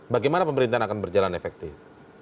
bagaimana pemerintahan akan berjalan efektif